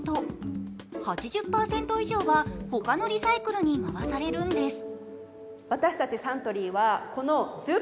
８０％以上は他のリサイクルに回されるんです。